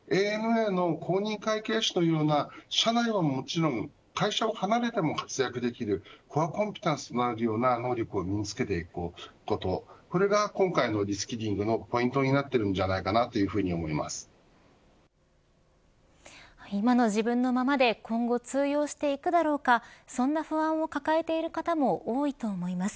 ＡＮＡの公認会計士のような社内はもちろん会社を離れても活躍できるコアコンピタンスとなるような能力を見つけていくことこれが今回のリスキリングのポイントに今の自分のままで今後通用していくだろうかそんな不安を抱えている方も多いと思います。